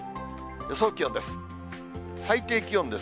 予想気温です。